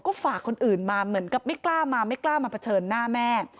ก็ฝากคนอื่นมาเหมือนกับไม่กล้ามาไม่กล้ามาเผชิญหน้าแม่